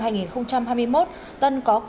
tân có quen với người trái phép